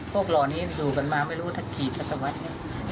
พวกหล่อนนี้สู่กันมาไม่รู้ถ้าขีดถ้าตะวัด